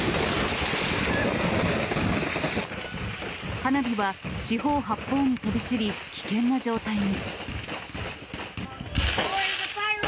花火は四方八方に飛び散り、危険な状態に。